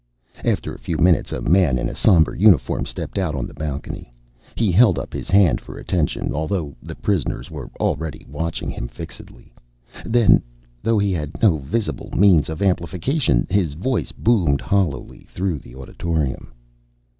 After a few minutes, a man in a somber uniform stepped out on the balcony. He held up his hand for attention, although the prisoners were already watching him fixedly. Then, though he had no visible means of amplification, his voice boomed hollowly through the auditorium.